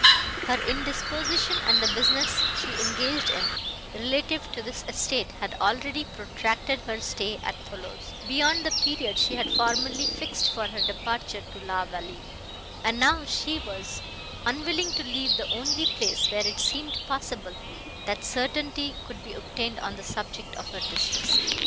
Her indisposition and the business she engaged in, relative to this estate, had already protracted her stay at Thoulouse, beyond the period she had formerly fixed for her departure to La Vallée; and now she was unwilling to leave the only place, where it seemed possible, that certainty could be obtained on the subject of her distress.